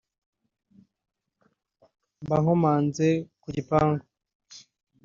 mba nkomanze ku gipangu